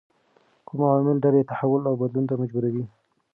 کوم عوامل ډلې تحول او بدلون ته مجبوروي؟